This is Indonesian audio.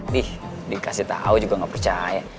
dih dikasih tau juga gak percaya